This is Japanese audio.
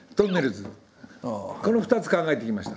「この２つ考えてきました。